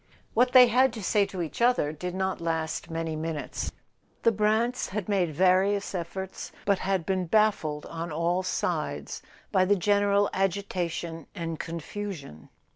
What they had to say to each other did not last many minutes. The Brants had made various efforts, but had been baffled on all sides by the general agita¬ tion and confusion.